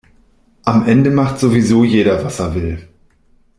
Am Ende macht sowieso jeder, was er will.